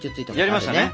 やりましたね。